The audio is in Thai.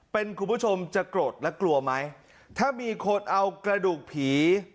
เป็นคุณผู้ชมจะโกรธและกลัวไหมถ้ามีคนเอากระดูกผี